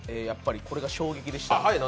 やっぱりこれが衝撃でした。